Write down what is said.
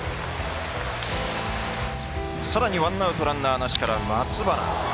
さらにワンアウトランナーなしから松原。